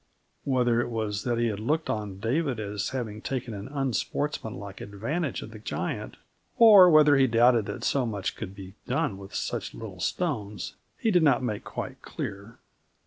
Whether it was that he looked on David as having taken an unsportsmanlike advantage of the giant or whether he doubted that so much could be done with such little stones, he did not make quite clear.